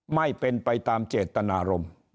ไม่เป็นไปตามเจตนารมณ์